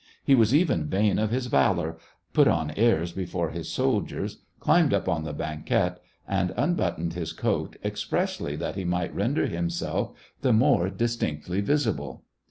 He was even vain of his valor, put on airs before his sol diers, climbed up on the banquette, and unbut toned his coat expressly that he might render himself the more distinctly visible.